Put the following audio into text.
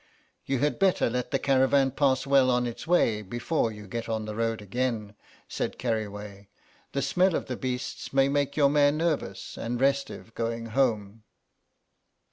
"You had better let the caravan pass well on its way before you get on the road again," said Keriway; "the smell of the beasts may make your mare nervous and restive going home."